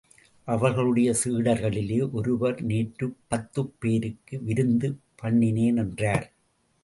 அவர்களுடைய சீடர்களிலே ஒருவர் நேற்றுப் பத்துப் பேருக்கு விருந்து பண்ணினேன் என்றார்.